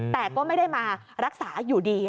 แต่ก็ไม่ได้มารักษาอยู่ดี